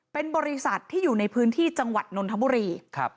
เป็นบริษัทที่อยู่ในพื้นที่จังหวัดนนทบุรี